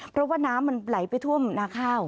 เพราะว่าน้ำมันไหลไปท่วมนาข้าว